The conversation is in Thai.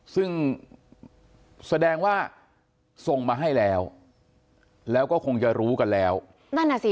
ซึ่งแสดงว่าส่งมาให้แล้วแล้วก็คงจะรู้กันแล้วนั่นน่ะสิ